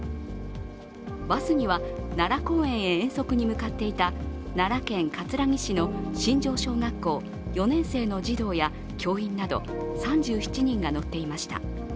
バスには、奈良公園へ遠足に向かっていた奈良県葛城市の新庄小学校４年生の児童や教員など、３７人が乗っていました。